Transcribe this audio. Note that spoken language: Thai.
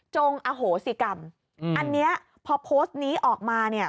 จงอโหสิกรรมอันนี้พอโพสต์นี้ออกมาเนี่ย